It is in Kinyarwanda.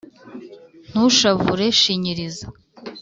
Ntushavure shinyiriza